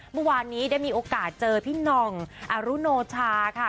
เมื่อวานนี้ได้มีโอกาสเจอพี่หน่องอรุโนชาค่ะ